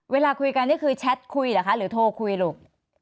เวลาคุยกันนี่คือแชทคุยเหรอคะหรือโทรคุยลูก